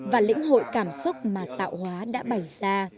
và lĩnh hội cảm xúc mà tạo hóa đã bày ra